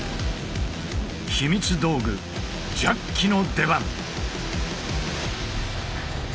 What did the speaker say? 秘密道具ジャッキの出番。